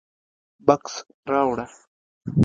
_بکس راوړه.